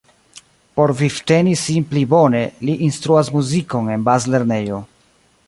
Por vivteni sin pli bone, li instruas muzikon en bazlernejo.